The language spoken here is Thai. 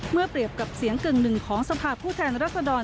เปรียบกับเสียงกึ่งหนึ่งของสภาพผู้แทนรัศดร